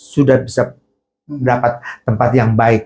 sudah bisa mendapat tempat yang baik